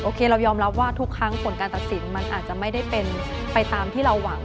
เรายอมรับว่าทุกครั้งผลการตัดสินมันอาจจะไม่ได้เป็นไปตามที่เราหวัง